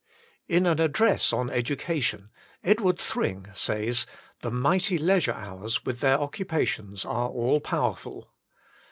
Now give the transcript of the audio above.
In an address on Education Edward Thring says :" The mighty leisure hours with their occupations are all powerful.